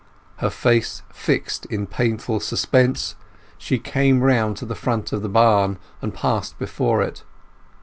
Her face fixed in painful suspense, she came round to the front of the barn, and passed before it.